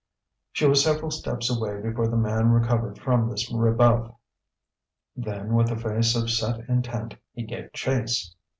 She was several steps away before the man recovered from this rebuff. Then, with a face of set intent, he gave chase.